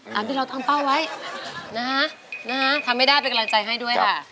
ตามที่เราทำเป้าไว้นะฮะทำไม่ได้เป็นกำลังใจให้ด้วยค่ะ